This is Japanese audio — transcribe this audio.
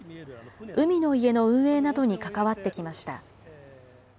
海の家の運営などに関わってきました。